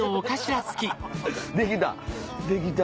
できた！